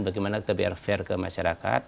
bagaimana kita biar fair ke masyarakat